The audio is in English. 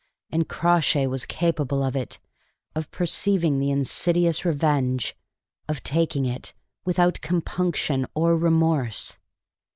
And Crawshay was capable of it of perceiving the insidious revenge of taking it without compunction or remorse.